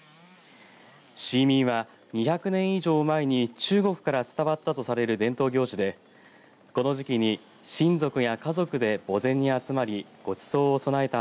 シーミーは２００年以上前に中国から伝わったとされる伝統行事でこの時期に親族や家族で墓前に集まりごちそうを供えた